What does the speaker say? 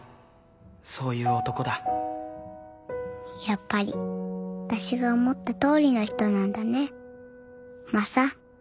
やっぱり私が思ったとおりの人なんだねマサ。